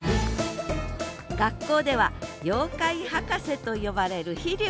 学校では妖怪博士と呼ばれる飛龍くん。